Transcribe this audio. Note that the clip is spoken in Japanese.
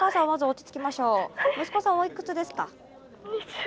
息子さんおいくつですか？